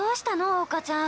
桜花ちゃん。